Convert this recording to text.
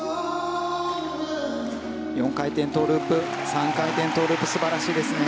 ４回転トウループ３回転トウループ素晴らしいですね。